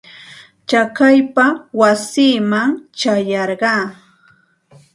Chakaypa wasiiman ćhayarqaa.